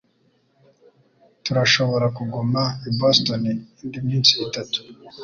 Turashobora kuguma i Boston indi minsi itatu.